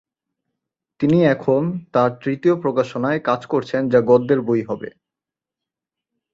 তিনি এখন তার তৃতীয় প্রকাশনায় কাজ করছেন যা গদ্যের বই হবে।